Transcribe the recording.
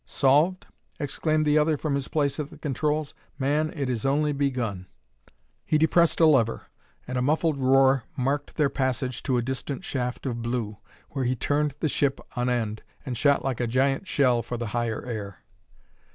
"Solved?" exclaimed the other from his place at the controls. "Man, it is only begun!" He depressed a lever, and a muffled roar marked their passage to a distant shaft of blue, where he turned the ship on end and shot like a giant shell for the higher air.